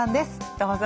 どうぞ。